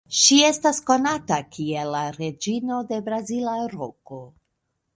Ŝi estas konata kiel la "Reĝino de Brazila Roko".